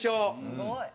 すごい！